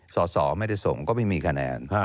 สสไม่ได้ส่งก็ไม่มีคะแนน